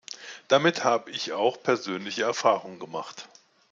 Damit habe ich auch persönliche Erfahrungen gemacht.